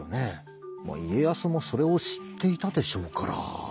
家康もそれを知っていたでしょうから。